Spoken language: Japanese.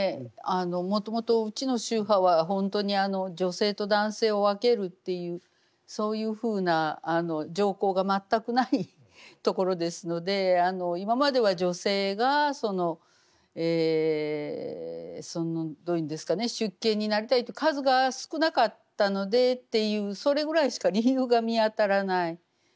もともとうちの宗派は本当に女性と男性を分けるっていうそういうふうな条項が全くないところですので今までは女性がどう言うんですかね出家になりたいと数が少なかったのでっていうそれぐらいしか理由が見当たらない。